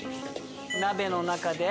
鍋の中で。